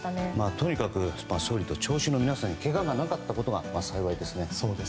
とにかく総理と聴衆の皆さんにけががなかったのが幸いですね。